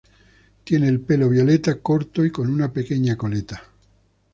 Tiene el pelo violeta, corto y con una pequeña coleta.